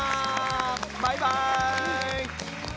バイバイ！